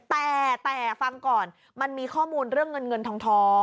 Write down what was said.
แต่ฟังก่อนมันมีข้อมูลเรื่องเงินเงินทอง